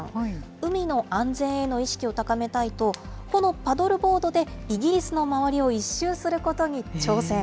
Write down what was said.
海の安全への意識を高めたいと、このパドルボードでイギリスの周りを１周することに挑戦。